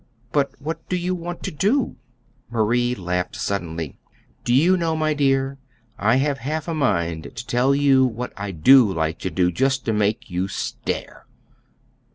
"But what do you want to do?" Marie laughed suddenly. "Do you know, my dear, I have half a mind to tell you what I do like to do just to make you stare."